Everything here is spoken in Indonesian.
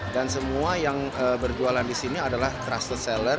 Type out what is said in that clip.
dan semua yang berjualan di sini adalah trusted seller